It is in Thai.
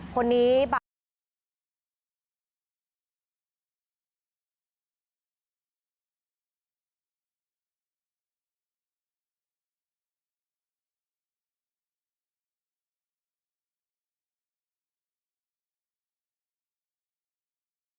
คนนี้บาดเจ็บเจ็บ